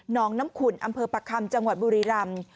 น้องน้ำขุนอำเภอประคำจังหวัดบุรีรำ